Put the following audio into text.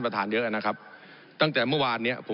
ผมอภิปรายเรื่องการขยายสมภาษณ์รถไฟฟ้าสายสีเขียวนะครับ